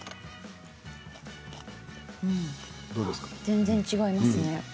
全然違いますね。